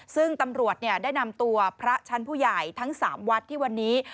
ซึ่งตำรวจได้นำตัวพระชั้นผู้ใหญ่ทั้ง๓วัดที่วันนี้